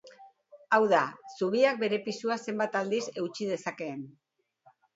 Hau da, zubiak bere pisua zenbat aldiz eutsi dezakeen.